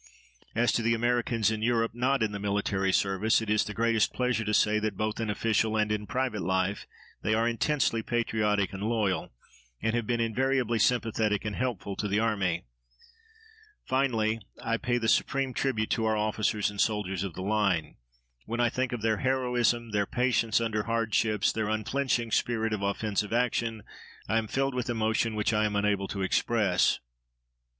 As to the Americans in Europe not in the military service, it is the greatest pleasure to say that, both in official and in private life, they are intensely patriotic and loyal, and have been invariably sympathetic and helpful to the army. Finally, I pay the supreme tribute to our officers and soldiers of the line. When I think of their heroism, their patience under hardships, their unflinching spirit of offensive action, I am filled with emotion which I am unable to express.